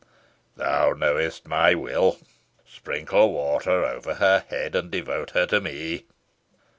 Thou knowest my will. Sprinkle water over her head, and devote her to me."